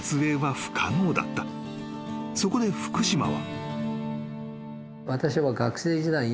［そこで福島は］